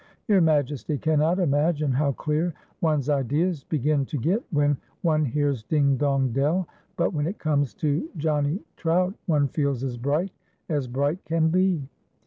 Your Majesty can not imagine how clear one's ideas begin to get when one hears ' Ding, dong, dell,' but when it comes to Johnny Trout, one feels as bright as bright can be."